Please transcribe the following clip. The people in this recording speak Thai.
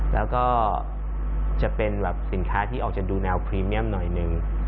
แล้วก็จะเป็นแบบสินค้าที่ออกจะดูแนวพรีเมียมหน่อยหนึ่ง